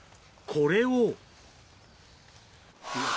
これを。